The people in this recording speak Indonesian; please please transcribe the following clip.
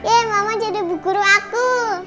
ye mama jadi buku guru aku